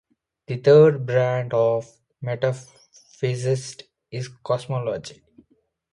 The third branch of metaphysics is cosmology.